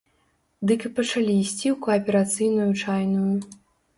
Дык і пачалі ісці ў кааперацыйную чайную.